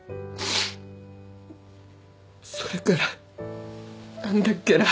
それから何だっけな。